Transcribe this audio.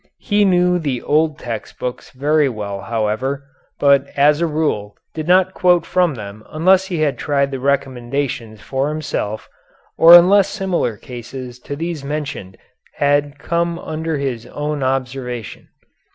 He knew the old text books very well however, but as a rule did not quote from them unless he had tried the recommendations for himself, or unless similar cases to these mentioned had come under his own observation.